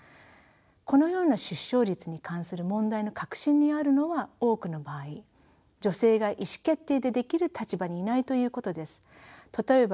このような出生率に関する問題の核心にあるのは多くの場合女性が意思決定できる立場にいないということです。